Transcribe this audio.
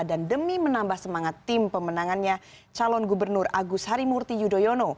dan demi menambah semangat tim pemenangannya calon gubernur agus harimurti yudhoyono